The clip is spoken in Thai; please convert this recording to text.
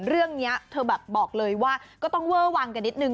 เรื่องนี้เธอแบบบอกเลยว่าก็ต้องเวอร์วังกันนิดนึง